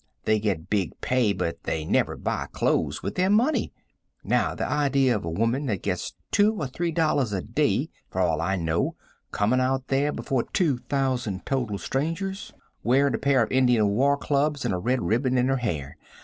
They get big pay, but they never buy cloze with their money. Now, the idea of a woman that gets $2 or $3 a day, for all I know, coming out there before 2,000 total strangers, wearing a pair of Indian war clubs and a red ribbon in her hair.